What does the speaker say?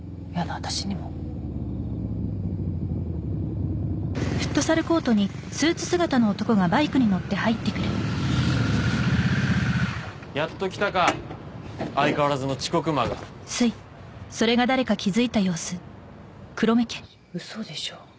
私にもやっと来たか相変わらずの遅刻魔がウソでしょ？